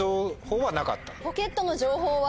ポケットの情報は。